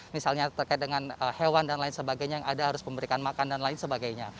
misalnya terkait dengan hewan dan lain sebagainya yang ada harus memberikan makan dan lain sebagainya